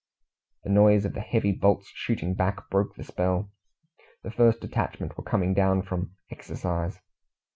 The noise of the heavy bolts shooting back broke the spell. The first detachment were coming down from "exercise."